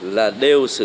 là đều sử dụng